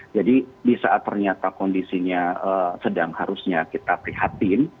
jadi di saat ternyata kondisinya sedang harusnya kita prihatin